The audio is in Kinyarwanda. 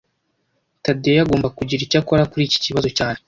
Tadeyo agomba kugira icyo akora kuri iki kibazo cyane